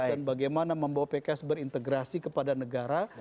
dan bagaimana membawa pks berintegrasi kepada negara